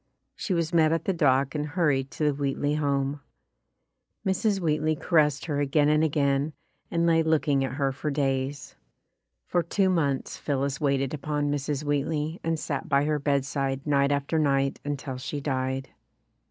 She was met at the dock and hurried to the Wheatley home. Mrs. Wheatley caressed her again and again, and lay looking at her for days. For two months Phillis waited upon Mrs. Wheat ley and sat by her bedside night after night until she died.